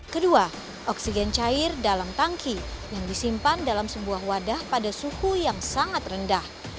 kedua oksigen cair dalam tangki yang disimpan dalam sebuah wadah pada suhu yang sangat rendah